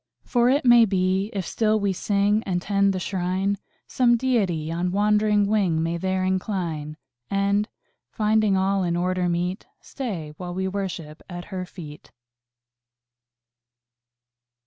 "For it may be, if still we sing And tend the Shrine, Some Deity on wandering wing May there incline; And, finding all in order meet, Stay while we worship at Her feet."